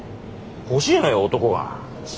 欲しいのよ男が。